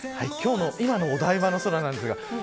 今のお台場の空です。